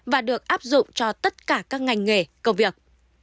và được áp dụng cho tất cả các ngành nghề công việc